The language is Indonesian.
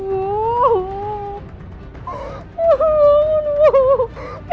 ibu bangun bu